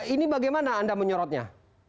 ini bagaimana anda menyorotnya